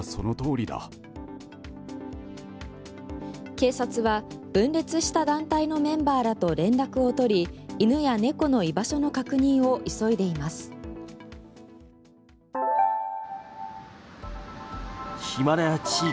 警察は分裂した団体のメンバーらと連絡を取り犬や猫の居場所の確認を急いでいます。わ！